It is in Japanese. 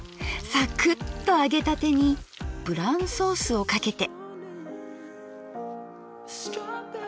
サクッと揚げたてにブランソースをかけて。